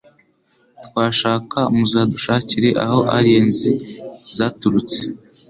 Twashaka Muzadushakire Aho Aliens Zaturutse